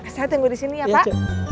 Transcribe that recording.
saya tunggu disini ya pak